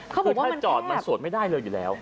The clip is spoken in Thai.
คือถ้าจอดมันสวดไม่ได้เลยอยู่แล้ว